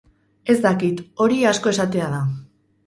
Ez dakit, hori asko esatea da.